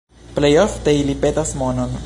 Plej ofte ili petas monon.